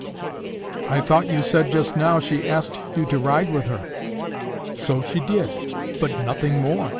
"I thought you said just now she asked you to ride with her?" "So she did, but nothing more.